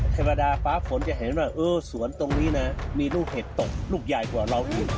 ธรรมดาฟ้าฝนจะเห็นว่าเออสวนตรงนี้นะมีลูกเห็บตกลูกใหญ่กว่าเราอีก